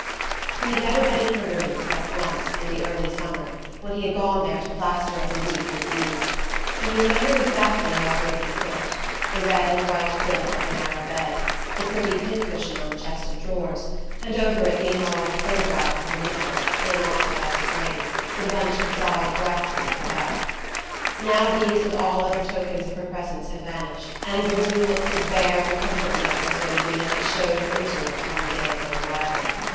He had never been in her room except once, in the early summer, when he had gone there to plaster up a leak in the eaves, but he remembered exactly how everything had looked: the red and white quilt on her narrow bed, the pretty pin cushion on the chest of drawers, and over it the enlarged photograph of her mother, in an oxydized frame, with a bunch of dyed grasses at the back. Now these and all other tokens of her presence had vanished, and the room looked as bare and comfortless as when Zeena had shown her into it on the day of her arrival.